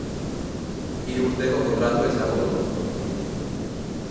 Hiru urteko kontratua izango du.